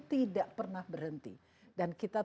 tidak pernah berhenti dan kita